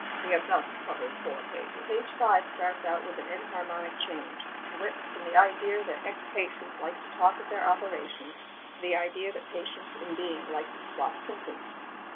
We have thus covered four pages. Page 5 starts out with an enharmonic change: to wit, from the idea that ex patients like to talk of their operations to the idea that patients in being like to swap symptoms.